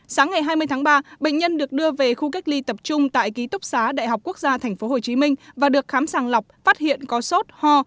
sáng ngày hai mươi tháng ba bệnh nhân được đưa về khu cách ly tập trung tại ký túc xá đại học quốc gia tp hcm và được khám sàng lọc phát hiện có sốt ho